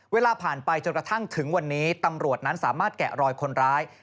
เวลาผ่านไปจนกระทั่งถึงวันนี้ตำรวจนั้นสามารถแกะรอยคนร้าย